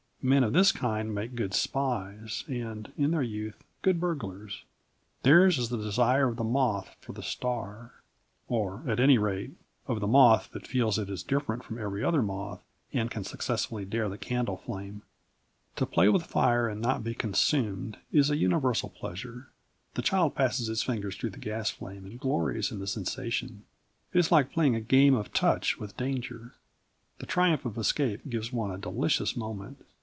Men of this kind make good spies, and, in their youth, good burglars. Theirs is the desire of the moth for the star or at any rate of the moth that feels it is different from every other moth and can successfully dare the candle flame. To play with fire and not to be consumed is a universal pleasure. The child passes its finger through the gas flame and glories in the sensation. It is like playing a game of touch with danger. The triumph of escape gives one a delicious moment.